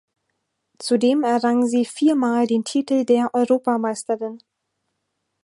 Zudem errang sie viermal den Titel der Europameisterin.